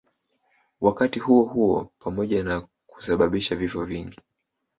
Wakati huohuo pamoja na kusababisha vifo vingi